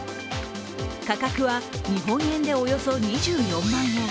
価格は日本円でおよそ２４万円。